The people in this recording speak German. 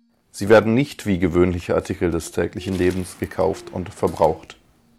Sie werden nicht wie gewöhnliche Artikel des täglichen Lebens gekauft und verbraucht.